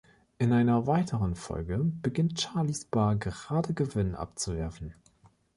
In einer weiteren Folge beginnt Charlies Bar gerade Gewinn abzuwerfen.